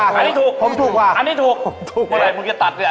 เทียงกันไปก่อน